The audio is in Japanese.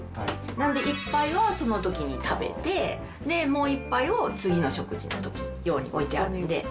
なんで、１杯はそのときに食べて、もう１杯を次の食事のとき用に置いてあるんで。